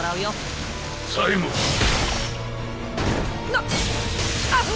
なっあっ！